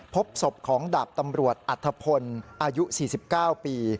พบศพของดาบตำรวจอัธพลอายุ๔๙ปี